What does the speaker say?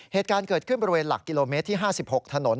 เหตุการณ์เกิดขึ้นบริเวณหลักกิโลเมตรที่๕๖ถนน